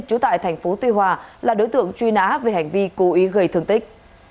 trú tại tp tuy hòa là đối tượng truy nã về hành vi cố ý gây thương tích